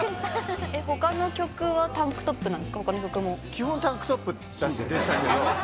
基本タンクトップでしたけど。